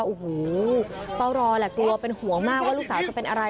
โอ้โหเฝ้ารอแหละกลัวเป็นห่วงมากว่าลูกสาวจะเป็นอะไร